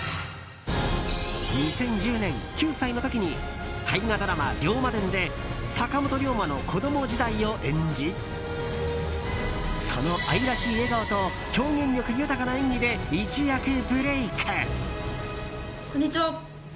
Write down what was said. ２０１０年、９歳の時に大河ドラマ「龍馬伝」で坂本龍馬の子供時代を演じその愛らしい笑顔と表現力豊かな演技で一躍ブレーク。